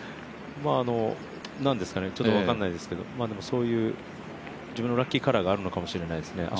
何ですかね、ちょっと分かんないですけどそういう自分のラッキーカラーがあるのかもしれないですね。